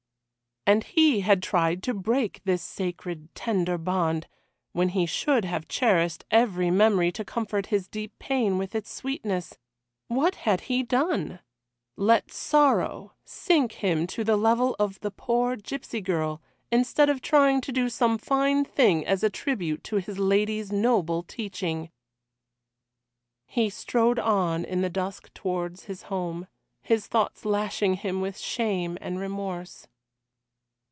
And he had tried to break this sacred tender bond, when he should have cherished every memory to comfort his deep pain with its sweetness. What had he done? Let sorrow sink him to the level of the poor gipsy girl, instead of trying to do some fine thing as a tribute to his lady's noble teaching. He strode on in the dusk towards his home, his thoughts lashing him with shame and remorse.